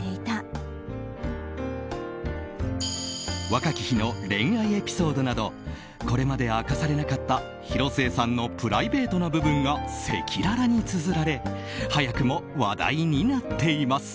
若き日の恋愛エピソードなどこれまで明かされなかった広末さんのプライベートな部分が赤裸々につづられ早くも話題になっています。